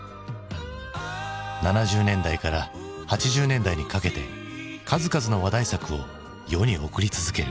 ７０年代から８０年代にかけて数々の話題作を世に送り続ける。